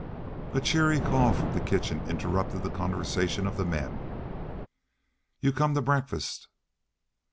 A cheery call from the kitchen interrupted the conversation of the men. "You come to breakfast."